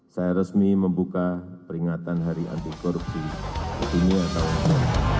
saya resmi membuka peringatan hari antikorupsi sedunia tahun ini